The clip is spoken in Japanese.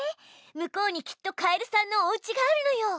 向こうにきっとカエルさんのおうちがあるのよ。